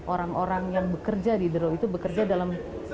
orang orang yang bekerja di the road itu bekerja dalam